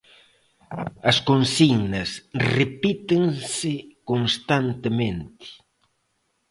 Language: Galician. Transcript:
As consignas repítense constantemente.